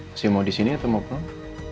masih mau disini atau mau pulang